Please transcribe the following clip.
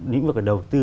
những vực đầu tư